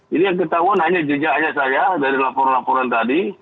jadi yang ketahuan hanya jejaknya saja dari laporan laporan tadi